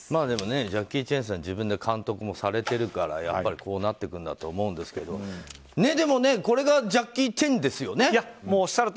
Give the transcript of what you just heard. でもジャッキー・チェンさん自分で監督もされているからやっぱりこうなっていくと思うんですがでも、これがジャッキー・チェンですよね。